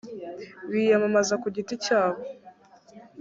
biyamamaza ku giti cyabo